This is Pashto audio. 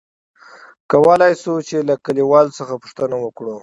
کولاى شې ،چې له کليوالو څخه پوښتنه وکړې ؟